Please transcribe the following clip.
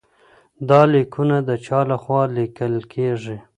دا لیکونه د چا لخوا لیکل کیږي؟